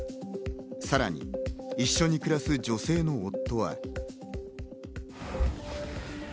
さらに一緒に暮らす女性の夫は。